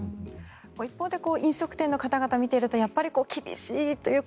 一方で飲食店の方々を見ていると厳しいという声